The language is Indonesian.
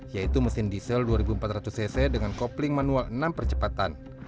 yaitu mesin diesel dua ribu empat ratus cc dengan kopling manual enam percepatan